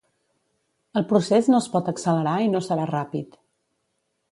El procés no es pot accelerar i no serà ràpid.